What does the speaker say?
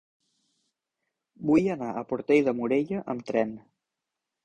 Vull anar a Portell de Morella amb tren.